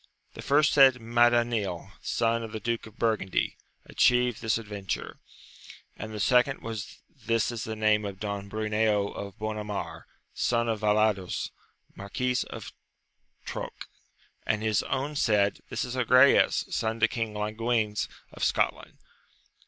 The first said, Madanil, son of the duke of Burgundy, atchieved this adventure : and the second was, this is the name of Don Bruneo of Bonamar, son to Vallados, Marquis of Troque : and his own said. This is Agrayes, son to King Languines of Scotland.